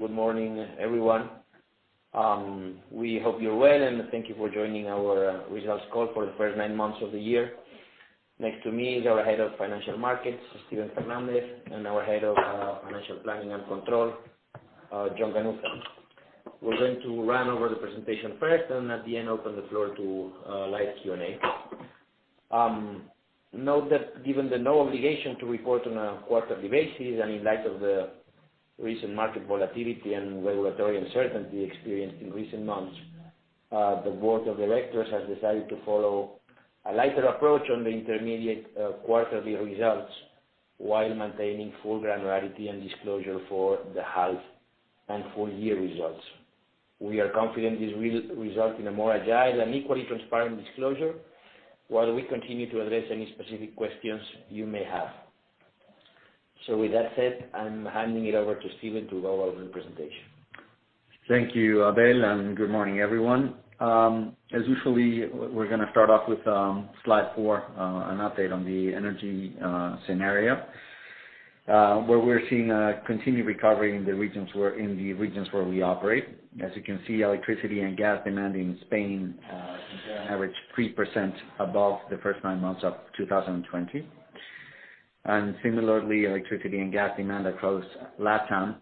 Good morning, everyone. We hope you're well, and thank you for joining our results call for the first nine months of the year. Next to me is our Head of Financial Markets, Steven Fernández, and our Head of Financial Planning and Control, Jon Ganuza. We're going to run over the presentation first, and at the end, open the floor to live Q&A. Note that given the no obligation to report on a quarterly basis and in light of the recent market volatility and regulatory uncertainty experienced in recent months, the board of directors has decided to follow a lighter approach on the intermediate quarterly results while maintaining full granularity and disclosure for the half and full year results. We are confident this will result in a more agile and equally transparent disclosure, while we continue to address any specific questions you may have. With that said, I'm handing it over to Steven Fernández to go over the presentation. Thank you, Abel, and good morning, everyone. As usual, we're gonna start off with slide four, an update on the energy scenario, where we're seeing a continued recovery in the regions where we operate. As you can see, electricity and gas demand in Spain, on average, 3% above the first nine months of 2020. Similarly, electricity and gas demand across LatAm,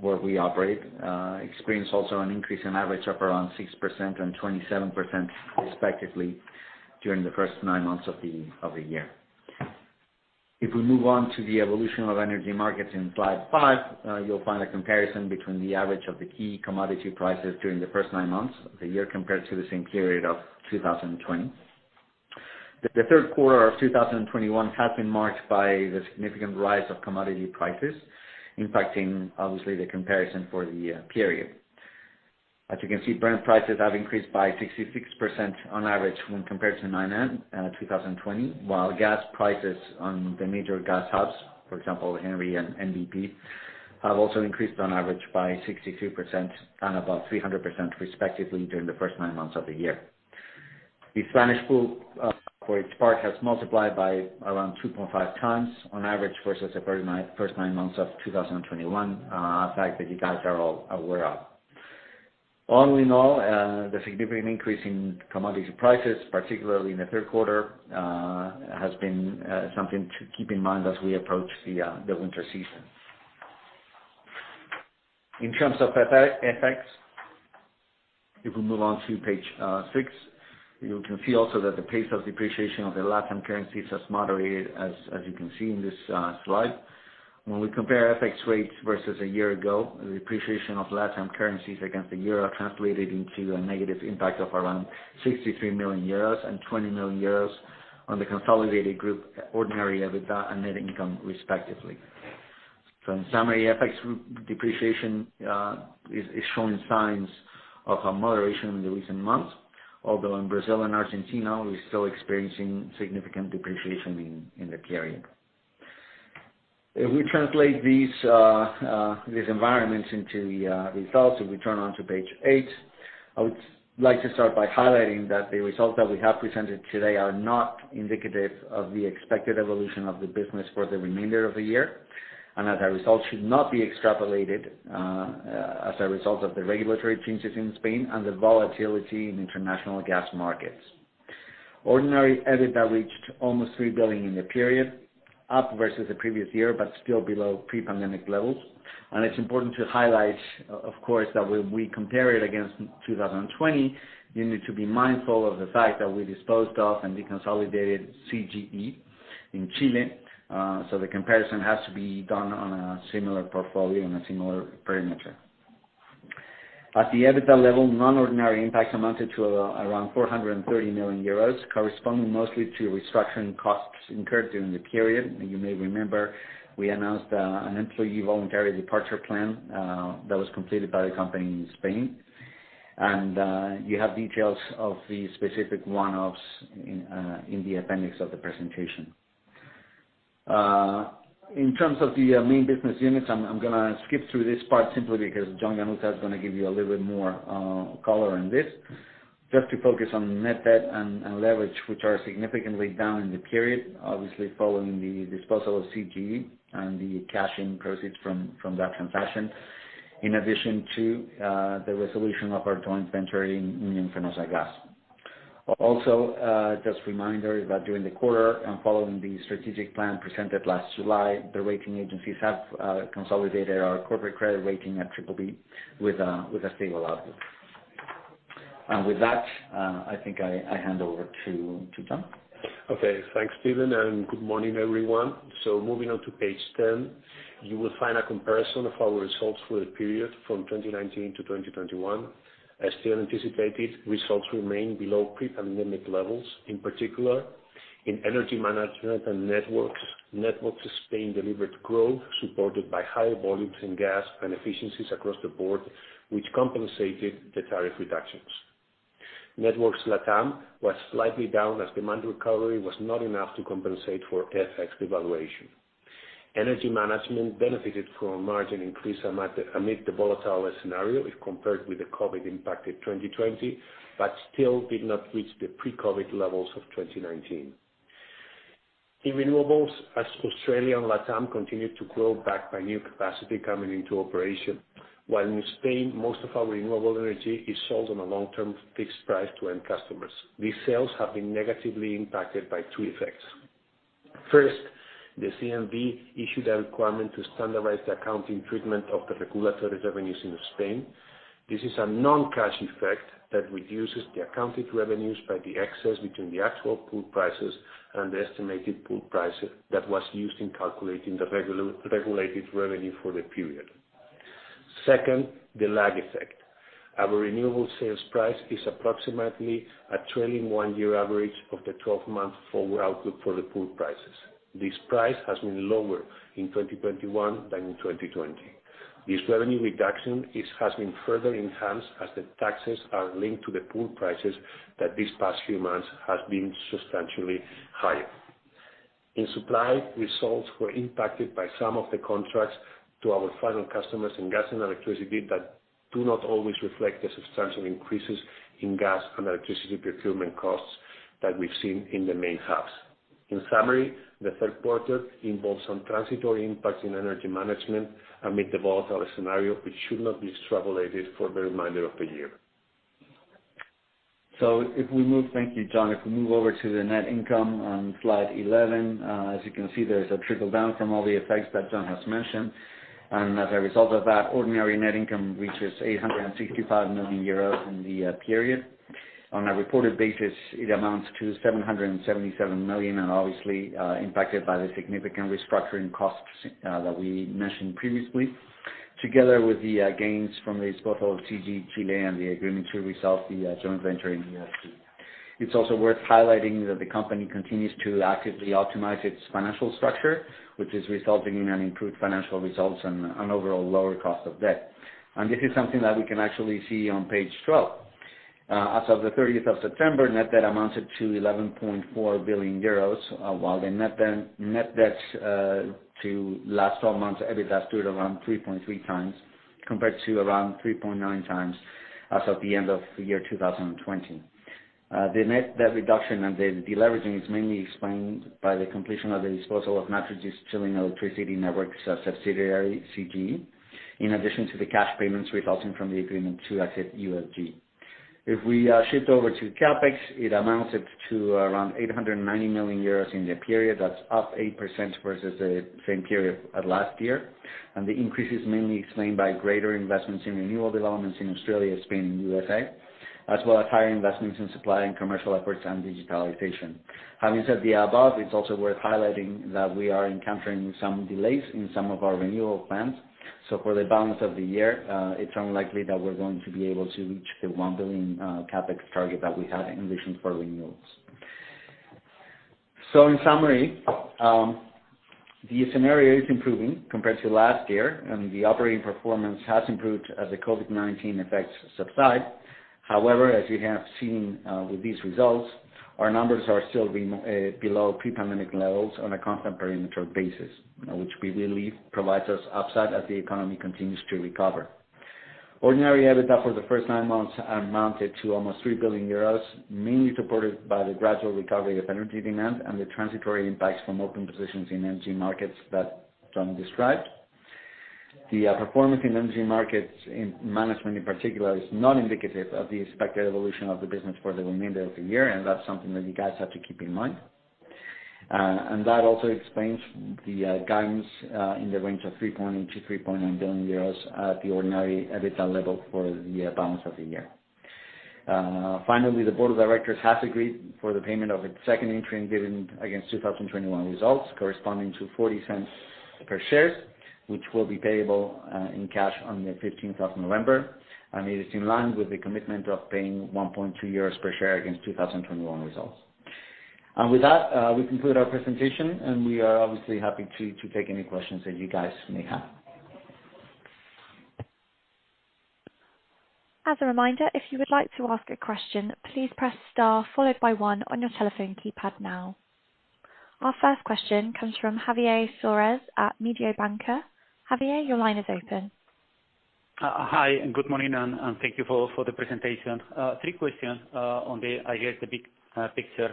where we operate, experienced also an increase in average of around 6% and 27% respectively during the first nine months of the year. If we move on to the evolution of energy markets in slide five, you'll find a comparison between the average of the key commodity prices during the first nine months of the year compared to the same period of 2020. The third quarter of 2021 has been marked by the significant rise of commodity prices, impacting obviously the comparison for the period. As you can see, Brent prices have increased by 66% on average when compared to 9, 2020, while gas prices on the major gas hubs, for example, Henry Hub and TTF, have also increased on average by 62% and about 300% respectively during the first nine months of the year. The Spanish pool, for its part, has multiplied by around 2.5 times on average versus the first nine months of 2020, a fact that you guys are all aware of. All in all, the significant increase in commodity prices, particularly in the third quarter, has been something to keep in mind as we approach the winter season. In terms of FX, if we move on to page 6, you can see also that the pace of depreciation of the LatAm currency has moderated, as you can see in this slide. When we compare FX rates versus a year ago, the depreciation of LatAm currencies against the euro translated into a negative impact of around 63 million euros and 20 million euros on the consolidated group ordinary EBITDA and net income, respectively. In summary, FX depreciation is showing signs of a moderation in the recent months, although in Brazil and Argentina, we're still experiencing significant depreciation in the period. If we translate these environments into the results, if we turn to page 8, I would like to start by highlighting that the results that we have presented today are not indicative of the expected evolution of the business for the remainder of the year. As a result, should not be extrapolated as a result of the regulatory changes in Spain and the volatility in international gas markets. Ordinary EBITDA reached almost 3 billion in the period, up versus the previous year, but still below pre-pandemic levels. It's important to highlight, of course, that when we compare it against 2020, you need to be mindful of the fact that we disposed of and deconsolidated CGE in Chile. So the comparison has to be done on a similar portfolio and a similar perimeter. At the EBITDA level, non-ordinary impacts amounted to around 430 million euros, corresponding mostly to restructuring costs incurred during the period. You may remember, we announced an employee voluntary departure plan that was completed by the company in Spain. You have details of the specific one-offs in the appendix of the presentation. In terms of the main business units, I'm gonna skip through this part simply because Jon Ganuza is gonna give you a little bit more color on this. Just to focus on net debt and leverage, which are significantly down in the period, obviously following the disposal of CGE and the cash-in proceeds from that transaction, in addition to the resolution of our joint venture in Fenosa Gas. Also, just a reminder that during the quarter and following the strategic plan presented last July, the rating agencies have consolidated our corporate credit rating at triple B with a stable outlook. With that, I think I hand over to Jon Ganuza. Okay. Thanks, Steven, and good morning, everyone. Moving on to page 10, you will find a comparison of our results for the period from 2019 to 2021. As Steven anticipated, results remain below pre-pandemic levels, in particular in energy management and networks. Networks Spain delivered growth supported by higher volumes in gas and efficiencies across the board, which compensated the tariff reductions. Networks Latam was slightly down as demand recovery was not enough to compensate for FX devaluation. Energy management benefited from a margin increase amid the volatile scenario if compared with the COVID-impacted 2020, but still did not reach the pre-COVID levels of 2019. In renewables, as Australia and LATAM continue to grow back by new capacity coming into operation, while in Spain, most of our renewable energy is sold on a long-term fixed price to end customers. These sales have been negatively impacted by two effects. First, the CNMV issued a requirement to standardize the accounting treatment of the regulatory revenues in Spain. This is a non-cash effect that reduces the accounted revenues by the excess between the actual pool prices and the estimated pool price that was used in calculating the regulated revenue for the period. Second, the lag effect. Our renewable sales price is approximately a trailing one-year average of the twelve-month forward output for the pool prices. This price has been lower in 2021 than in 2020. This revenue reduction has been further enhanced as the taxes are linked to the pool prices that these past few months has been substantially higher. In supply, results were impacted by some of the contracts to our final customers in gas and electricity that do not always reflect the substantial increases in gas and electricity procurement costs that we've seen in the main hubs. In summary, the third quarter involves some transitory impacts in energy management amid the volatile scenario, which should not be extrapolated for the remainder of the year. Thank you, Jon. If we move over to the net income on slide 11, as you can see, there's a trickle down from all the effects that Jon has mentioned. As a result of that, ordinary net income reaches 865 million euros in the period. On a reported basis, it amounts to 777 million, and obviously impacted by the significant restructuring costs that we mentioned previously, together with the gains from the disposal of CGE Chile and the agreement to resolve the joint venture in UFG. It's also worth highlighting that the company continues to actively optimize its financial structure, which is resulting in an improved financial results and overall lower cost of debt. This is something that we can actually see on page 12 . As of the 30th of September, net debt amounted to 11.4 billion euros, while the net debt to last twelve months EBITDA stood around 3.3x, compared to around 3.9x as of the end of the year 2020. The net debt reduction and the deleveraging is mainly explained by the completion of the disposal of Naturgy's Chilean electricity network's subsidiary, CGE, in addition to the cash payments resulting from the agreement to exit UFG. If we shift over to CapEx, it amounts to around 890 million euros in the period. That's up 8% versus the same period of last year. The increase is mainly explained by greater investments in renewable developments in Australia, Spain, and U.S., as well as higher investments in supply and commercial efforts and digitalization. Having said the above, it's also worth highlighting that we are encountering some delays in some of our renewable plans. For the balance of the year, it's unlikely that we're going to be able to reach the 1 billion CapEx target that we had envisioned for renewables. In summary, the scenario is improving compared to last year, and the operating performance has improved as the COVID-19 effects subside. However, as you have seen, with these results, our numbers are still below pre-pandemic levels on a constant perimeter basis, which we believe provides us upside as the economy continues to recover. Ordinary EBITDA for the first nine months amounted to almost 3 billion euros, mainly supported by the gradual recovery of energy demand and the transitory impacts from open positions in energy markets that John described. The performance in energy markets and management in particular is not indicative of the expected evolution of the business for the remainder of the year, and that's something that you guys have to keep in mind. That also explains the guidance in the range of 3.8 billion-3.9 billion euros at the ordinary EBITDA level for the balance of the year. Finally, the board of directors has agreed for the payment of its second interim dividend against 2021 results, corresponding to 0.40 per share, which will be payable in cash on the 15th of November. It is in line with the commitment of paying 1.2 euros per share against 2021 results. With that, we conclude our presentation, and we are obviously happy to take any questions that you guys may have. Our first question comes from Javier Suárez at Mediobanca. Javier, your line is open. Hi, good morning, and thank you for the presentation. Three questions on the big picture,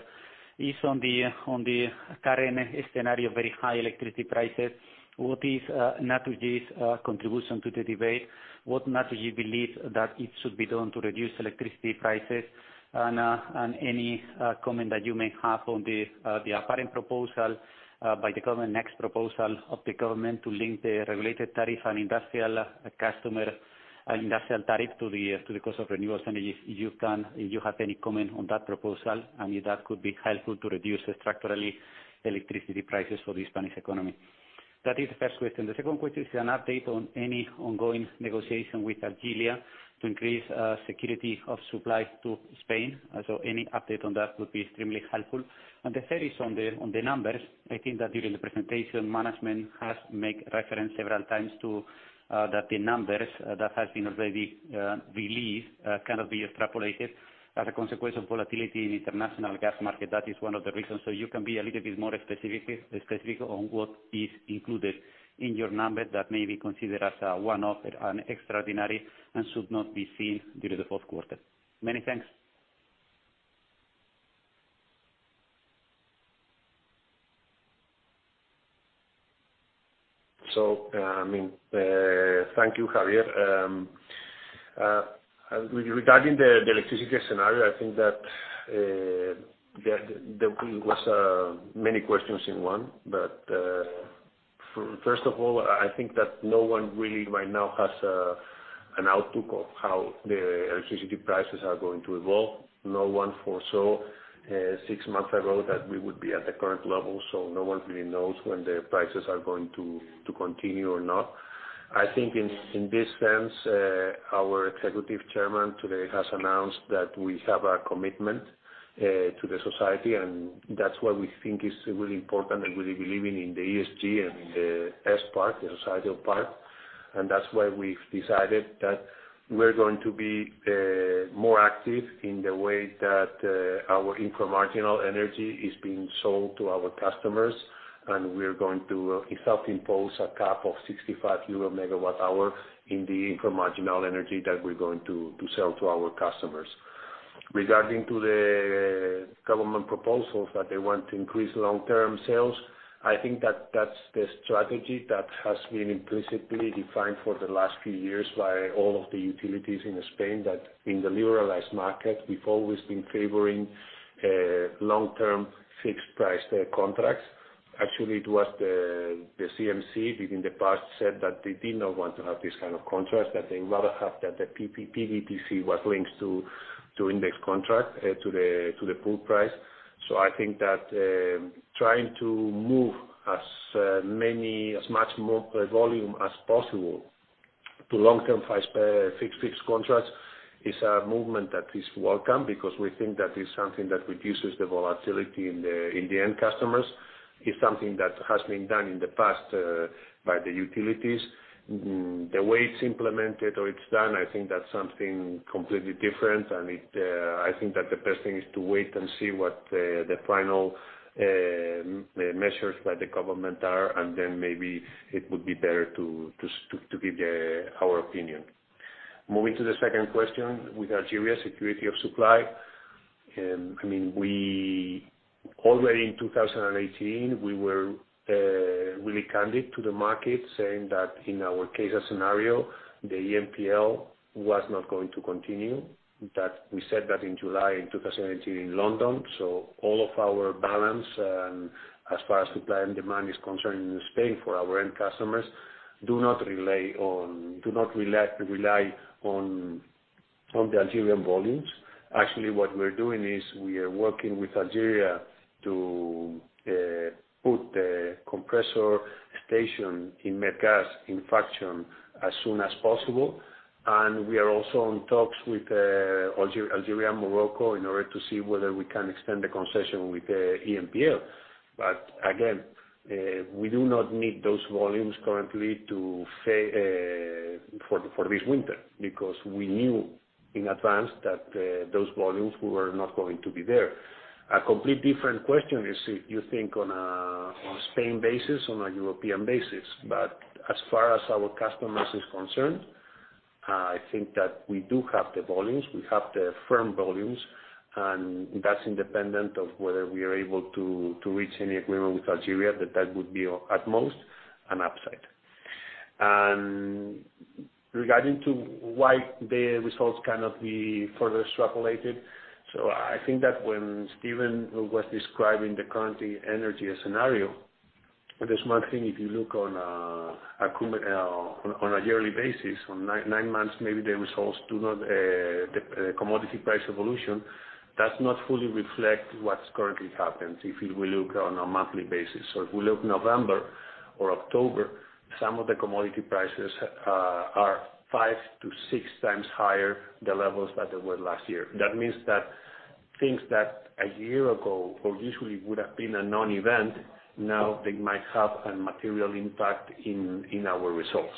I guess, on the current scenario, very high electricity prices. What is Naturgy's contribution to the debate? What Naturgy believes that it should be done to reduce electricity prices? Any comment that you may have on the apparent proposal by the government, next proposal of the government to link the regulated tariff and industrial customer and industrial tariff to the cost of renewable energies. If you have any comment on that proposal, and if that could be helpful to reduce structurally electricity prices for the Spanish economy. That is the first question. The second question is an update on any ongoing negotiation with Algeria to increase security of supply to Spain. Any update on that would be extremely helpful. The third is on the numbers. I think that during the presentation, management has made reference several times to that the numbers that has been already released cannot be extrapolated as a consequence of volatility in international gas market. That is one of the reasons. You can be a little bit more specific on what is included in your number that may be considered as a one-off and extraordinary and should not be seen during the fourth quarter. Many thanks. I mean, thank you, Javier. With regard to the electricity scenario, I think that there was many questions in one. First of all, I think that no one really right now has an outlook of how the electricity prices are going to evolve. No one foresaw six months ago that we would be at the current level, so no one really knows when the prices are going to continue or not. I think in this sense our Executive Chairman today has announced that we have a commitment to the society, and that's why we think it's really important and really believing in the ESG and the S part, the society part. That's why we've decided that we're going to be more active in the way that our inframarginal energy is being sold to our customers. We're going to in fact impose a cap of 65 EUR/MWh in the inframarginal energy that we're going to sell to our customers. Regarding to the government proposals that they want to increase long-term sales, I think that that's the strategy that has been implicitly defined for the last few years by all of the utilities in Spain, that in the liberalized market we've always been favoring long-term fixed price contracts. Actually, it was the CNMC within the past said that they did not want to have this kind of contracts, that they rather have that the PP, PVPC was linked to index contract to the pool price. I think that trying to move as much more volume as possible to long-term price fixed contracts is a movement that is welcome because we think that is something that reduces the volatility in the end customers. It's something that has been done in the past by the utilities. The way it's implemented or it's done, I think that's something completely different and it I think that the best thing is to wait and see what the final measures by the government are, and then maybe it would be better to give our opinion. Moving to the second question, with Algeria security of supply, I mean, we... Already in 2018, we were really candid to the market, saying that in our base case scenario, the EMPL was not going to continue, that we said that in July in 2018 in London. All of our balances and as far as supply and demand is concerned in Spain for our end customers do not rely on the Algerian volumes. Actually, what we're doing is we are working with Algeria to put the compressor station in Medgaz into operation as soon as possible. We are also in talks with Algeria and Morocco in order to see whether we can extend the concession with the EMPL. Again, we do not need those volumes currently for this winter because we knew in advance that those volumes were not going to be there. A completely different question is if you think on a Spain basis, on a European basis, but as far as our customers is concerned, I think that we do have the volumes, we have the firm volumes, and that's independent of whether we are able to reach any agreement with Algeria, that would be at most an upside. Regarding why the results cannot be further extrapolated, I think that when Steven was describing the current energy scenario, there's one thing. If you look on a yearly basis, on nine months maybe, the results do not, the commodity price evolution does not fully reflect what's currently happened if you will look on a monthly basis. If you look November or October, some of the commodity prices are five to six times higher the levels that they were last year. That means that things that a year ago or usually would have been a non-event, now they might have a material impact in our results.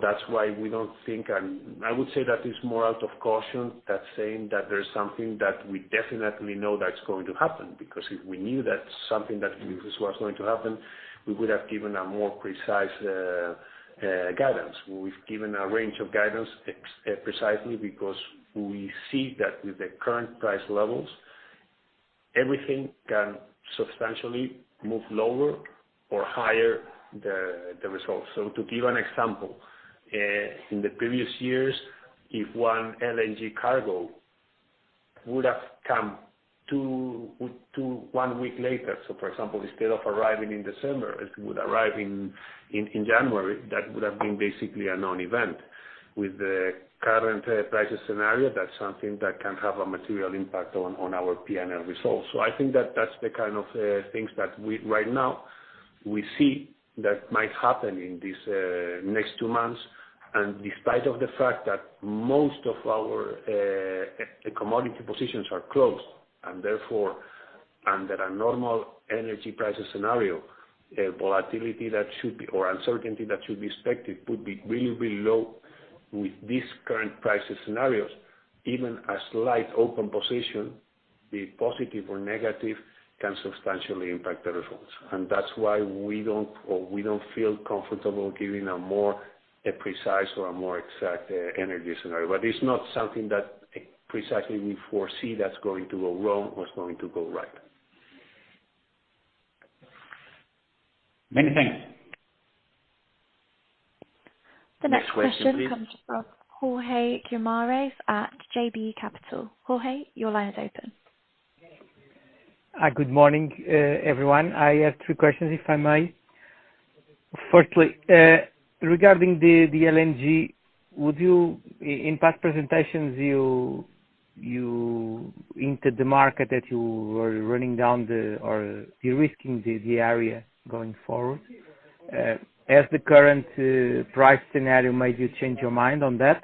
That's why we don't think. I would say that it's more out of caution than saying that there's something that we definitely know that's going to happen. Because if we knew that something that this was going to happen, we would have given a more precise guidance. We've given a range of guidance precisely because we see that with the current price levels, everything can substantially move lower or higher the results. To give an example, in the previous years, if one LNG cargo would have come one week later, so for example, instead of arriving in December, it would arrive in January, that would have been basically a non-event. With the current prices scenario, that's something that can have a material impact on our P&L results. I think that that's the kind of things that we see right now that might happen in this next two months. Despite of the fact that most of our commodity positions are closed, and therefore, under a normal energy prices scenario, volatility that should be, or uncertainty that should be expected would be really low with these current prices scenarios, even a slight open position, be it positive or negative can substantially impact the results. That's why we don't feel comfortable giving a more precise or a more exact energy scenario. It's not something that precisely we foresee that's going to go wrong or it's going to go right. Many thanks. The next question. Next question, please. Comes from Jorge Guimarães at JB Capital. Jorge, your line is open. Good morning, everyone. I have three questions, if I may. Firstly, regarding the LNG, in past presentations, you indicated to the market that you were running down or de-risking the area going forward. Has the current price scenario made you change your mind on that?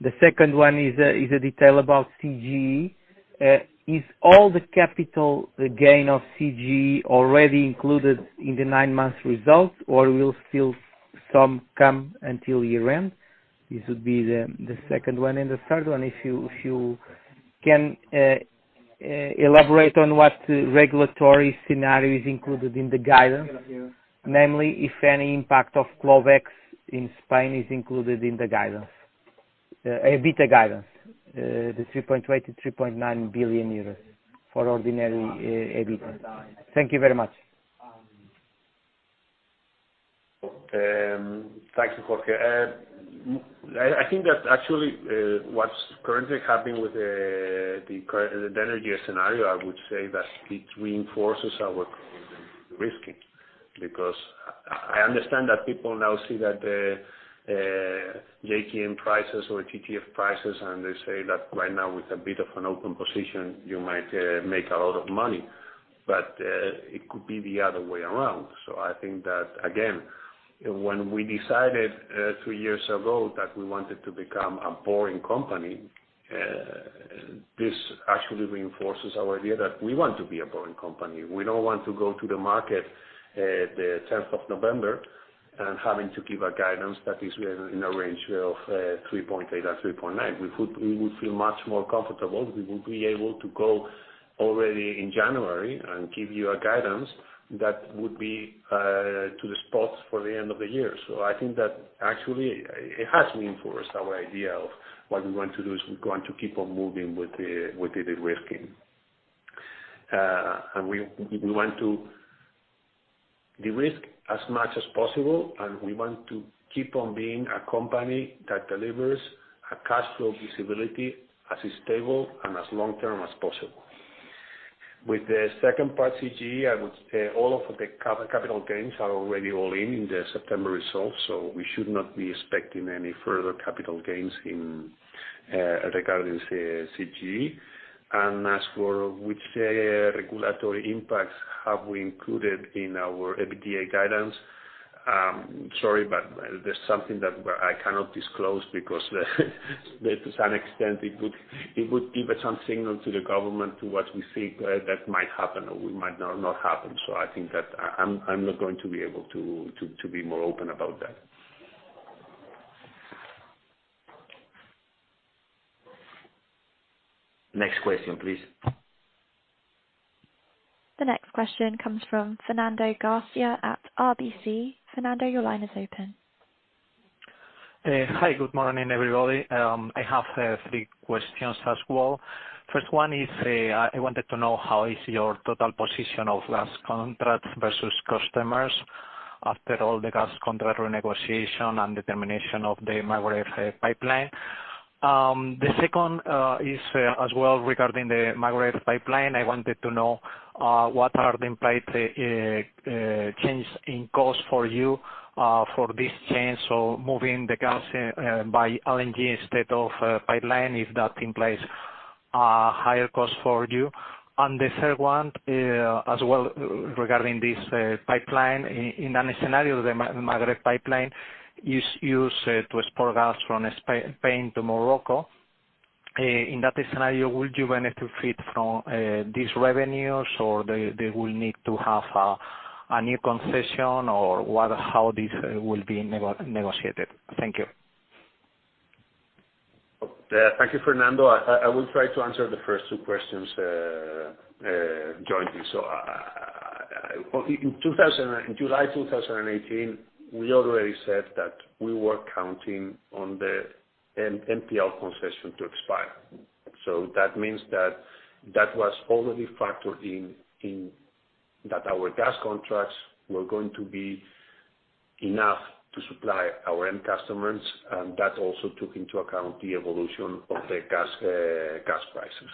The second one is a detail about CGE. Is all the capital gain of CGE already included in the nine months results or will some still come until year-end? This would be the second one. The third one, if you can elaborate on what regulatory scenario is included in the guidance, namely, if any impact of clawback in Spain is included in the EBITDA guidance, the 3.8 billion-3.9 billion euros for ordinary EBITDA. Thank you very much. Thank you, Jorge. I think that actually, what's currently happening with the energy scenario, I would say that it reinforces our de-risking, because I understand that people now see that, JKM prices or TTF prices, and they say that right now with a bit of an open position, you might make a lot of money, but it could be the other way around. I think that, again, when we decided two years ago that we wanted to become a boring company, this actually reinforces our idea that we want to be a boring company. We don't want to go to the market the tenth of November and having to give a guidance that is, you know, in a range of 3.8-3.9. We would feel much more comfortable, we would be able to go already in January and give you a guidance that would be to the spots for the end of the year. I think that actually it has reinforced our idea of what we want to do, is we're going to keep on moving with the de-risking. We want to de-risk as much as possible, and we want to keep on being a company that delivers a cash flow visibility as stable and as long-term as possible. With the second part, CGE, I would say all of the capital gains are already all in the September results. We should not be expecting any further capital gains regarding CGE. As for which regulatory impacts have we included in our EBITDA guidance, sorry, but that's something that I cannot disclose because, to some extent, it would give some signal to the government to what we think that might happen or we might not happen. I think that I'm not going to be able to be more open about that. Next question, please. The next question comes from Fernando García at RBC. Fernando, your line is open. Hi. Good morning, everybody. I have three questions as well. First one is, I wanted to know how is your total position of gas contract versus customers after all the gas contract renegotiation and termination of the Maghreb Pipeline. The second is as well regarding the Maghreb Pipeline, I wanted to know what are the implied change in cost for you for this change, so moving the gas by LNG instead of pipeline, if that implies higher cost for you. The third one as well regarding this pipeline in that scenario, the Maghreb Pipeline is used to export gas from Spain to Morocco. In that scenario, would you benefit from these revenues, or they will need to have a new concession, or what? How this will be negotiated? Thank you. Thank you, Fernando. I will try to answer the first two questions jointly. In July 2018, we already said that we were counting on the EMPL concession to expire. That means that was already factored in that our gas contracts were going to be enough to supply our end customers, and that also took into account the evolution of the gas prices.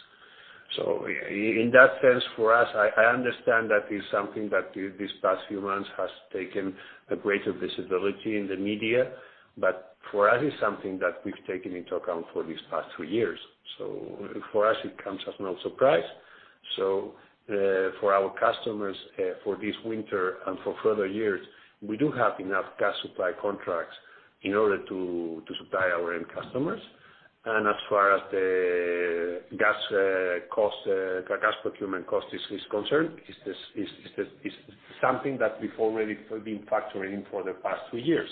In that sense, for us, I understand that is something that this past few months has taken a greater visibility in the media, but for us, it's something that we've taken into account for these past two years. For us, it comes as no surprise. For our customers, for this winter and for further years, we do have enough gas supply contracts in order to supply our end customers. As far as the gas cost, the gas procurement cost is concerned, it's something that we've already been factoring for the past two years.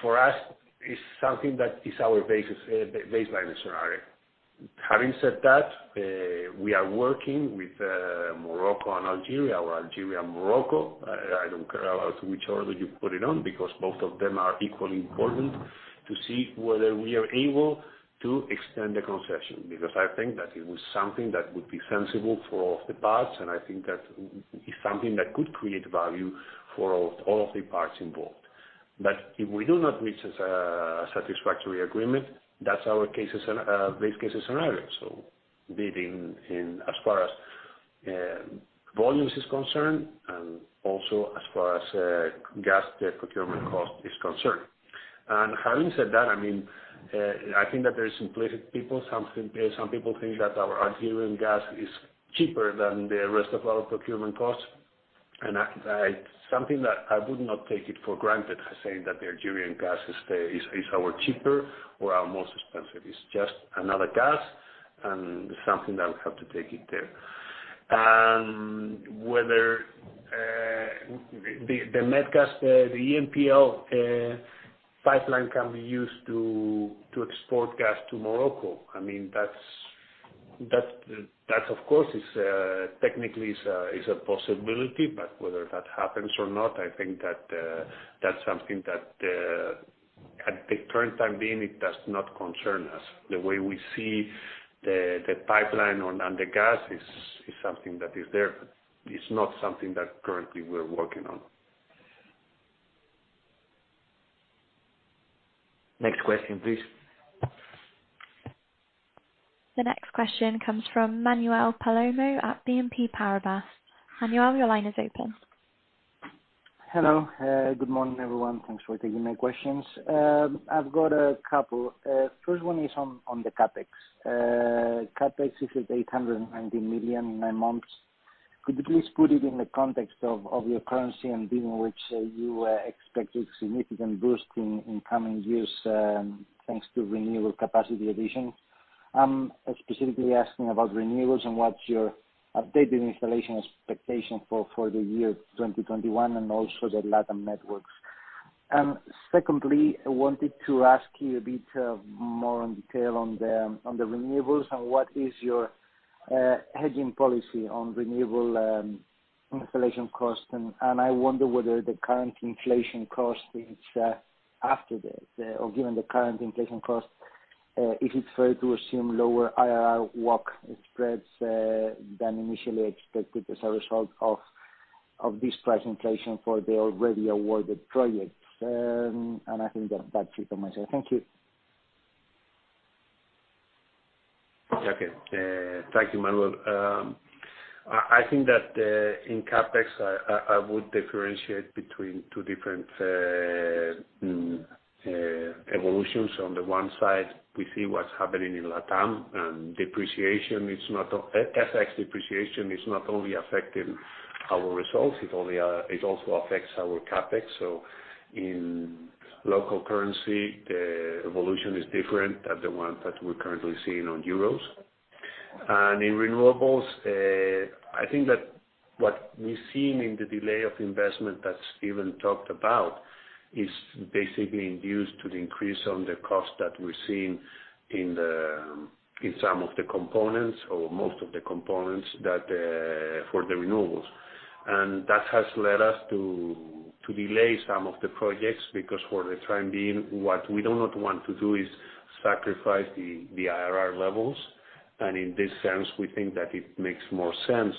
For us, it's something that is our baseline scenario. Having said that, we are working with Morocco and Algeria, or Algeria and Morocco. I don't care about which order you put it on because both of them are equally important to see whether we are able to extend the concession. Because I think that it was something that would be sensible for all of the parts, and I think that is something that could create value for all of the parts involved. If we do not reach a satisfactory agreement, that's our base case scenario. Be it in as far as volumes is concerned and also as far as gas procurement cost is concerned. Having said that, I mean, I think that some people think that our Algerian gas is cheaper than the rest of our procurement costs. I would not take it for granted saying that the Algerian gas is our cheapest or our most expensive. It's just another gas and something that we have to take it there. Whether the Medgaz, the EMPL pipeline can be used to export gas to Morocco, I mean, that's of course technically a possibility. Whether that happens or not, I think that's something that at the current time being, it does not concern us. The way we see the pipeline and the gas is something that is there. It's not something that currently we're working on. Next question, please. The next question comes from Manuel Palomo at Exane BNP Paribas. Manuel, your line is open. Hello. Good morning, everyone. Thanks for taking my questions. I've got a couple. First one is on the CapEx. CapEx is at 890 million in nine months. Could you please put it in the context of your currency hedging, which you expected significant boost in coming years, thanks to renewable capacity additions? Specifically asking about renewables and what's your updated installation expectation for the year 2021 and also the Latin networks. Secondly, I wanted to ask you a bit more in detail on the renewables and what is your hedging policy on renewable installation costs? I wonder whether, given the current inflation cost, is it fair to assume lower IRR WACC spreads than initially expected as a result of this price inflation for the already awarded projects? I think that's about it from my side. Thank you. Thank you, Manuel. I think that in CapEx, I would differentiate between two different evolutions. On the one side, we see what's happening in Latam, and depreciation is not only affecting our results, it also affects our CapEx. In local currency, the evolution is different than the one that we're currently seeing in euros. In renewables, I think that what we've seen in the delay of investment that Steven talked about is basically due to the increase in the cost that we're seeing in some of the components or most of the components for the renewables. That has led us to delay some of the projects, because for the time being, what we do not want to do is sacrifice the IRR levels. In this sense, we think that it makes more sense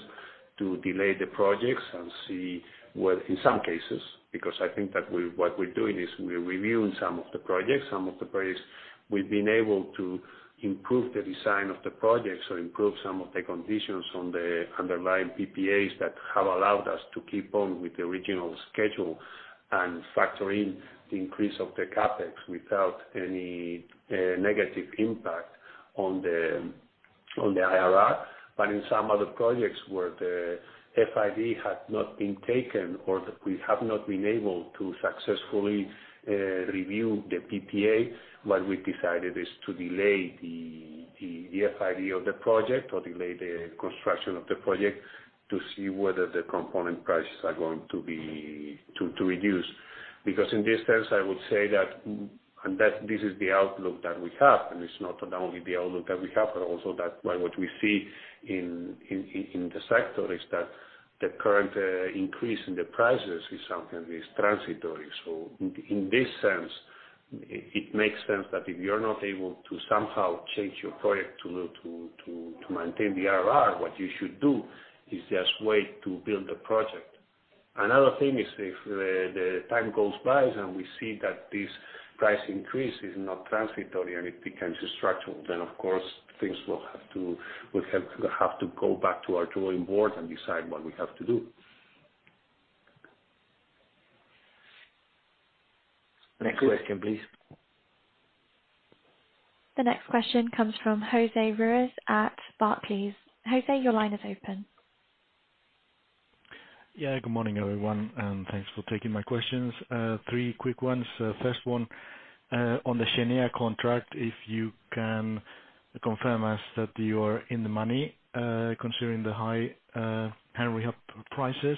to delay the projects and see whether in some cases. Because I think that what we're doing is reviewing some of the projects. Some of the projects we've been able to improve the design of the projects or improve some of the conditions on the underlying PPAs that have allowed us to keep on with the original schedule and factor in the increase of the CapEx without any negative impact on the IRR. In some other projects where the FID has not been taken, or we have not been able to successfully review the PPA, what we've decided is to delay the FID of the project or delay the construction of the project to see whether the component prices are going to reduce. Because in this sense, I would say that this is the outlook that we have, and it's not only the outlook that we have, but also what we see in the sector is that the current increase in the prices is something transitory. In this sense, it makes sense that if you're not able to somehow change your project to maintain the IRR, what you should do is just wait to build the project. Another thing is if the time goes by and we see that this price increase is not transitory and it becomes structural, then of course we'll have to go back to our drawing board and decide what we have to do. Next question, please. The next question comes from José Ruiz at Barclays. José, your line is open. Yeah. Good morning, everyone, and thanks for taking my questions. Three quick ones. First one, on the Cheniere contract, if you can confirm us that you're in the money, considering the high, Henry Hub prices,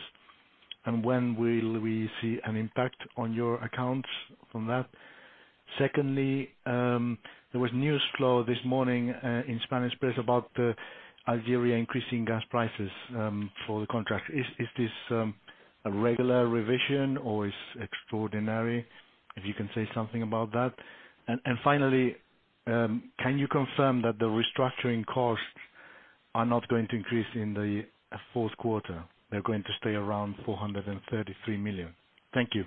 and when will we see an impact on your accounts from that? Secondly, there was news flow this morning, in Spanish press about, Algeria increasing gas prices, for the contract. Is this a regular revision or it's extraordinary? If you can say something about that. And finally, can you confirm that the restructuring costs are not going to increase in the fourth quarter, they're going to stay around 433 million? Thank you.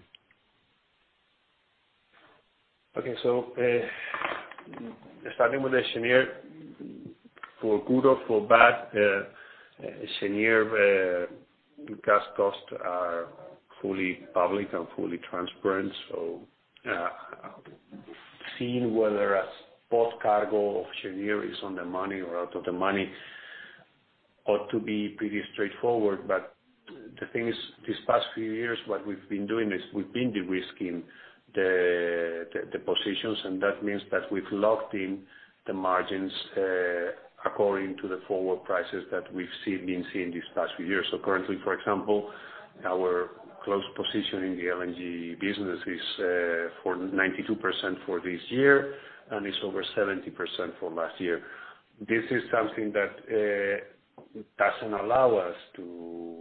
Starting with the Cheniere, for good or for bad, Cheniere gas costs are fully public and fully transparent. Seeing whether a spot cargo of Cheniere is on the money or out of the money ought to be pretty straightforward. The thing is, these past few years, what we've been doing is we've been de-risking the positions, and that means that we've locked in the margins according to the forward prices that we've been seeing these past few years. Currently, for example, our closed position in the LNG business is 92% for this year, and it's over 70% for last year. This is something that doesn't allow us to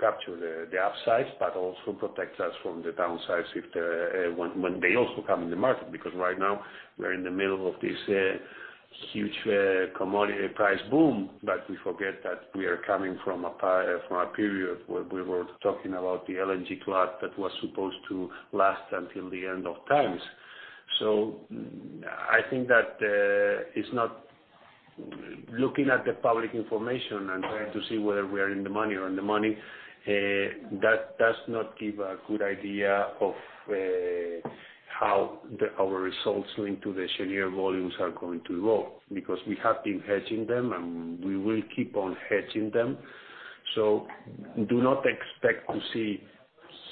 capture the upsides, but also protects us from the downsides if when they also come in the market. Because right now we're in the middle of this huge commodity price boom, but we forget that we are coming from a period where we were talking about the LNG glut that was supposed to last until the end of times. I think that it's not looking at the public information and trying to see whether we are in the money or on the money, that does not give a good idea of how our results linked to the Cheniere volumes are going to evolve, because we have been hedging them and we will keep on hedging them. Do not expect to see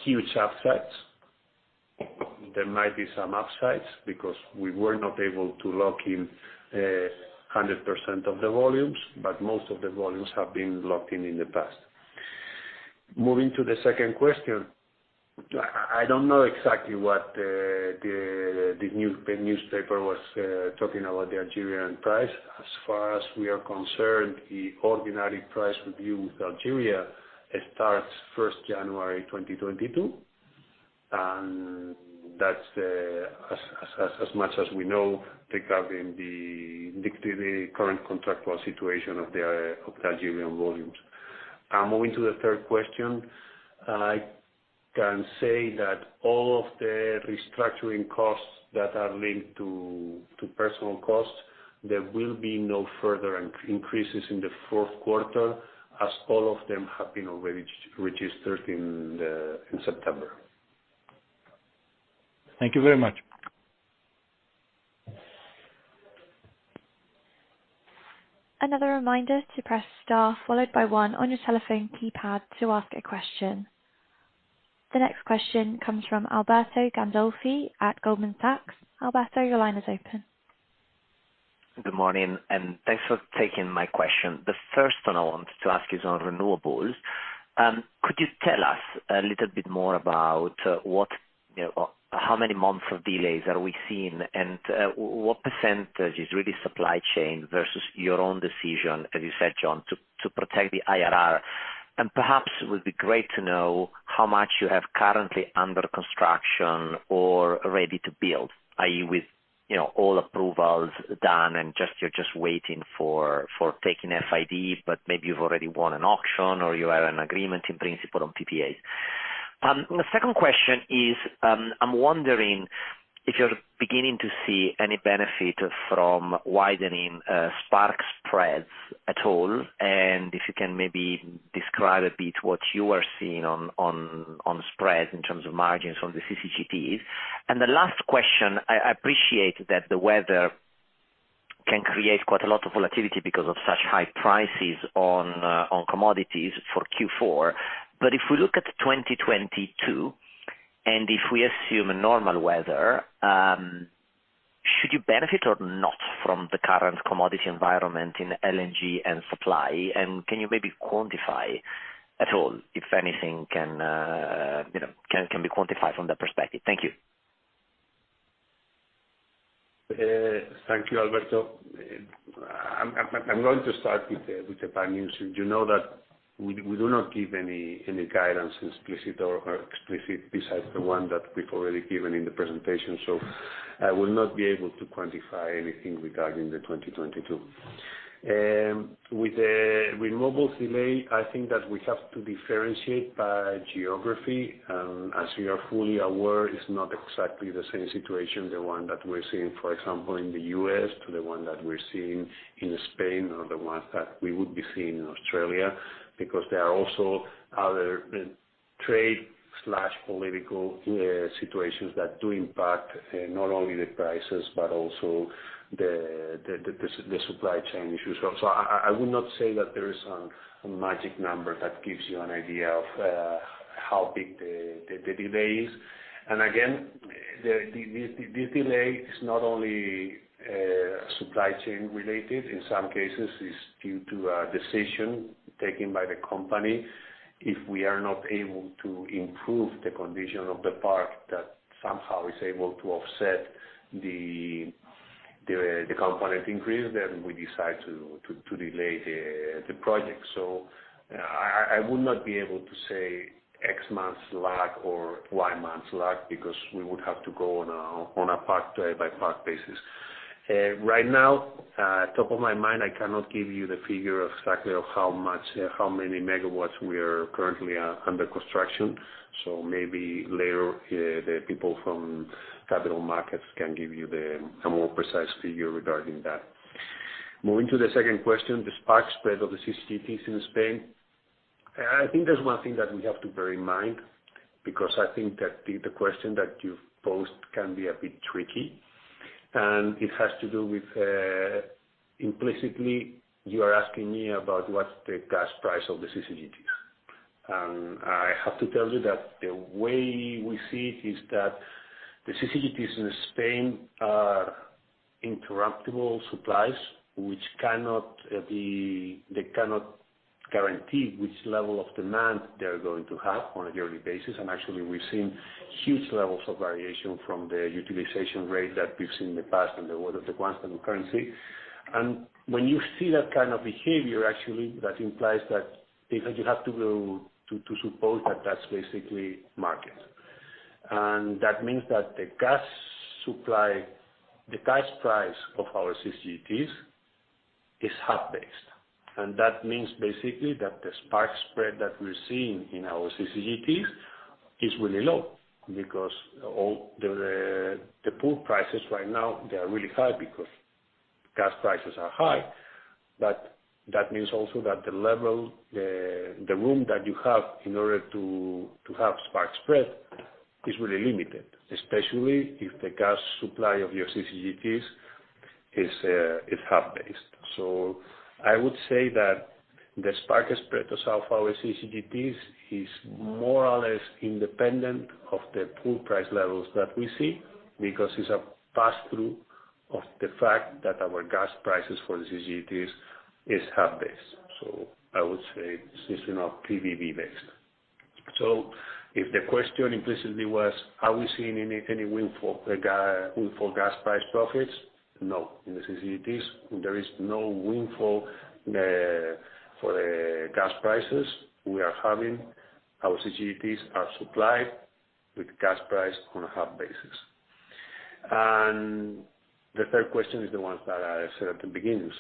huge upsets. There might be some upsides because we were not able to lock in 100% of the volumes, but most of the volumes have been locked in in the past. Moving to the second question, I don't know exactly what the newspaper was talking about the Algerian price. As far as we are concerned, the ordinary price review with Algeria starts January 1, 2022, and that's as much as we know, regarding the current contractual situation of the Algerian volumes. Moving to the third question, I can say that all of the restructuring costs that are linked to personnel costs, there will be no further increases in the fourth quarter, as all of them have been already registered in September. Thank you very much. Another reminder to press star followed by one on your telephone keypad to ask a question. The next question comes from Alberto Gandolfi at Goldman Sachs. Alberto, your line is open. Good morning, and thanks for taking my question. The first one I wanted to ask is on renewables. Could you tell us a little bit more about what, you know, how many months of delays are we seeing, and what percentage is really supply chain versus your own decision, as you said, John, to protect the IRR? Perhaps it would be great to know how much you have currently under construction or ready to build, i.e., with, you know, all approvals done and just you're just waiting for taking FID, but maybe you've already won an auction or you have an agreement in principle on PPAs. The second question is, I'm wondering if you're beginning to see any benefit from widening spark spreads at all, and if you can maybe describe a bit what you are seeing on spreads in terms of margins from the CCGTs. The last question, I appreciate that the weather can create quite a lot of volatility because of such high prices on commodities for Q4. If we look at 2022, and if we assume a normal weather, should you benefit or not from the current commodity environment in LNG and supply? Can you maybe quantify at all if anything can be quantified from that perspective? Thank you. Thank you, Alberto. I'm going to start with the bad news. You know that we do not give any guidance, explicit or explicit, besides the one that we've already given in the presentation. I will not be able to quantify anything regarding 2022. With the renewables delay, I think that we have to differentiate by geography. As we are fully aware, it's not exactly the same situation, the one that we're seeing, for example, in the U.S., to the one that we're seeing in Spain or the ones that we would be seeing in Australia, because there are also other trade slash political situations that do impact not only the prices but also the supply chain issues. I would not say that there is a magic number that gives you an idea of how big the delay is. Again, the delay is not only supply chain related, in some cases is due to a decision taken by the company. If we are not able to improve the condition of the park that somehow is able to offset the component increase, then we decide to delay the project. I would not be able to say X months lag or Y months lag because we would have to go on a park by park basis. Right now, top of my mind, I cannot give you the figure exactly of how many megawatts we are currently under construction. Maybe later, the people from capital markets can give you a more precise figure regarding that. Moving to the second question, the spark spread of the CCGTs in Spain. I think there's one thing that we have to bear in mind, because I think that the question that you've posed can be a bit tricky, and it has to do with implicitly, you are asking me about what's the gas price of the CCGTs. I have to tell you that the way we see it is that the CCGTs in Spain are interruptible supplies. They cannot guarantee which level of demand they are going to have on a yearly basis. Actually, we've seen huge levels of variation from the utilization rate that we've seen in the past and the one of the current year. When you see that kind of behavior, actually, that implies that it means you have to go to suppose that that's basically market. That means that the gas supply, the gas price of our CCGTs is hub-based. That means basically that the spark spread that we're seeing in our CCGTs is really low because all the pool prices right now, they are really high because gas prices are high. That means also that the level, the room that you have in order to have spark spread is really limited, especially if the gas supply of your CCGTs is hub-based. I would say that the spark spread of some of our CCGTs is more or less independent of the pool price levels that we see because it's a pass-through of the fact that our gas prices for the CCGTs is hub-based. I would say it's, you know, PVB-based. If the question implicitly was, are we seeing any windfall gas price profits? No. In the CCGTs, there is no windfall for the gas prices we are having. Our CCGTs are supplied with gas price on a hub basis. The third question is the ones that I said at the beginning.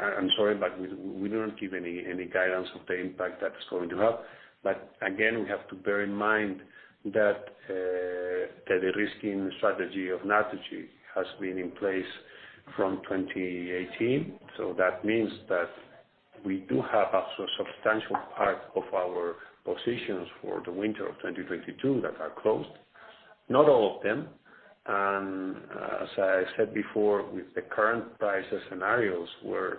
I'm sorry, but we don't give any guidance of the impact that is going to have. We have to bear in mind that the de-risking strategy of Naturgy has been in place from 2018. That means that we do have a substantial part of our positions for the winter of 2022 that are closed, not all of them. With the current prices scenarios, we're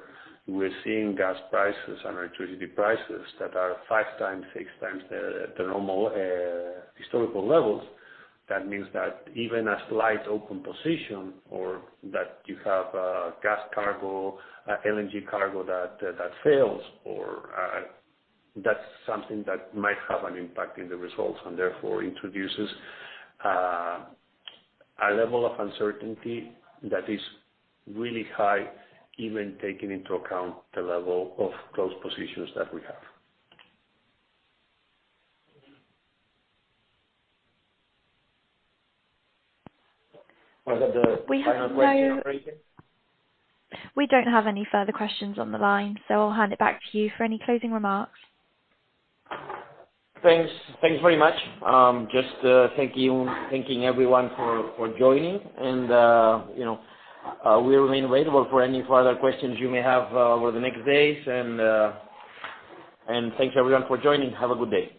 seeing gas prices and electricity prices that are 5 times, 6 times the normal historical levels. That means that even a slight open position or that you have a gas cargo, LNG cargo that fails or that's something that might have an impact in the results and therefore introduces a level of uncertainty that is really high, even taking into account the level of closed positions that we have. Was that the final question? We don't have any further questions on the line, so I'll hand it back to you for any closing remarks. Thanks. Thank you very much. Just thank you for joining and you know we'll remain available for any further questions you may have over the next days. And thank you everyone for joining. Have a good day. Thanks.